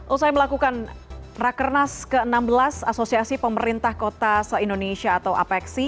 usai melakukan rakernas ke enam belas asosiasi pemerintah kota se indonesia atau apexi